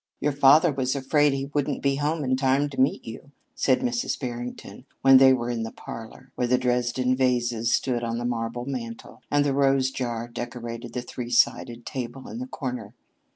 "Your father was afraid he wouldn't be home in time to meet you," said Mrs. Barrington when they were in the parlor, where the Dresden vases stood on the marble mantel and the rose jar decorated the three sided table in the corner.